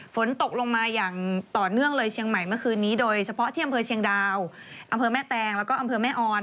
ฝนตกลงมาอย่างต่อเนื่องเลยเชียงใหม่เมื่อคืนนี้โดยเฉพาะที่อำเภอเชียงดาวอำเภอแม่แตงแล้วก็อำเภอแม่ออน